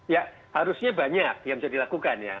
ya harusnya banyak yang bisa dilakukan ya